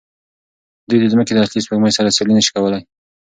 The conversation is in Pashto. دوی د ځمکې د اصلي سپوږمۍ سره سیالي نه شي کولی.